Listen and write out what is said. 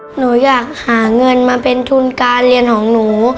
หนูอยากหาเงินมาเป็นทุนการเรียนของหนู